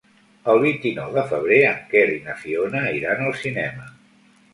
El vint-i-nou de febrer en Quer i na Fiona iran al cinema.